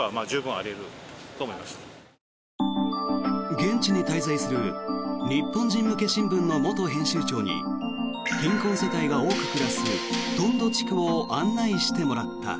現地に滞在する日本人向け新聞の元編集長に貧困世帯が多く暮らすトンド地区を案内してもらった。